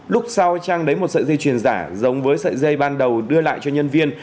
lúc sau trang lấy một sợi dây chuyền giả giống với sợi dây ban đầu đưa lại cho nhân viên